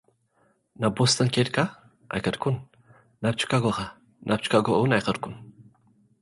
"ናብ ቦስተን ኬድካ?" "ኣይከድኩን።" "ናብ ቺካጎ'ኸ?" "ናብ ቺካጎ እውን ኣይከድኩን።"